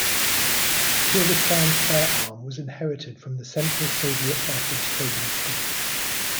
Kyrgyzstan's air arm was inherited from the central Soviet air force training school.